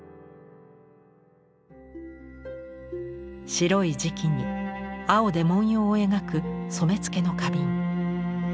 白い磁器に青で文様を描く染付の花瓶。